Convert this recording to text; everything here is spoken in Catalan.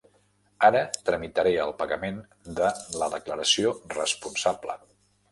Ara tramitaré el pagament de la declaració responsable.